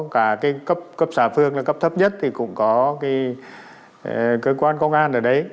và cái cấp xã phương là cấp thấp nhất thì cũng có cái cơ quan công an ở đấy